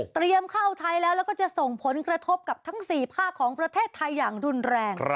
เข้าไทยแล้วแล้วก็จะส่งผลกระทบกับทั้ง๔ภาคของประเทศไทยอย่างรุนแรง